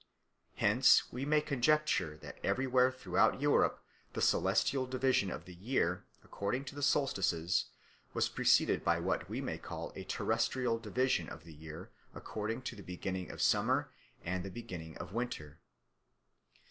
Hence we may conjecture that everywhere throughout Europe the celestial division of the year according to the solstices was preceded by what we may call a terrestrial division of the year according to the beginning of summer and the beginning of winter.